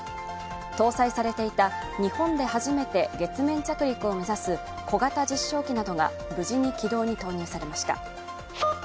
搭載されていた日本で初めて月面着陸を目指す小型実証機などが無事に軌道に投入されました。